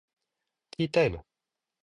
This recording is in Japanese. ティータイム